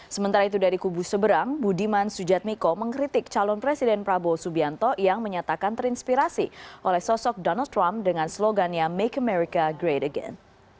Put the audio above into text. sementara itu dari kubu seberang budiman sujatmiko mengkritik calon presiden prabowo subianto yang menyatakan terinspirasi oleh sosok donald trump dengan slogannya make america great again